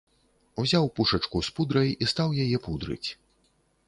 Узяў пушачку з пудрай і стаў яе пудрыць.